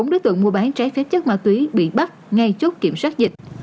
bốn đối tượng mua bán trái phép chất ma túy bị bắt ngay chốt kiểm soát dịch